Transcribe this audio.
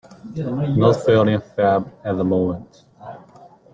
Not feeling fab at the moment.